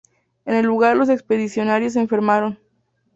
En el lugar los expedicionarios enfermaron.